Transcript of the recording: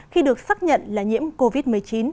khi được xác nhận là nhiễm covid một mươi chín